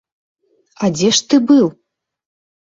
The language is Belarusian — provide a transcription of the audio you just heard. А дзе ж ты быў?